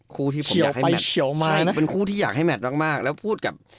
คู่ที่ผมอยากให้แมทใช่เป็นคู่ที่อยากให้แมทมากแล้วพูดกับ